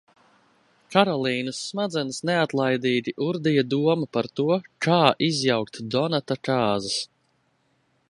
Karolīnas smadzenes neatlaidīgi urdīja doma par to, kā izjaukt Donata kāzas.